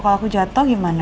kalau aku jatuh gimana